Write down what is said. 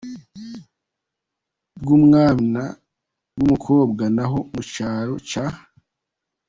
bwumwana wumukobwa, naho mu cyaro cya.